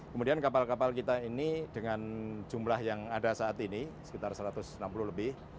kemudian kapal kapal kita ini dengan jumlah yang ada saat ini sekitar satu ratus enam puluh lebih